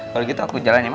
kalau gitu aku jalan ya ma